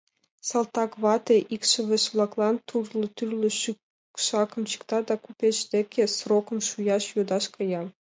Салтаквате икшыве-влаклан тӱрлӧ-тӱрлӧ шӱкшакым чикта да купеч деке срокым шуяш йодаш кая.